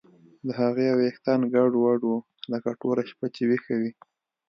د هغې ویښتان ګډوډ وو لکه ټوله شپه چې ویښه وي